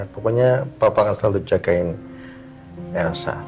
pokoknya papa akan selalu jagain elsa